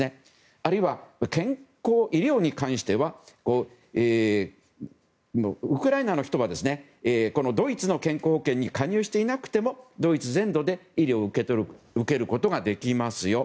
あるいは、医療に関してはウクライナの人はドイツの健康保険に加入していなくてもドイツ全土で医療を受けることができますよ。